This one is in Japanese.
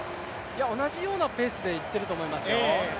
同じようなペースでいっていると思いますよ。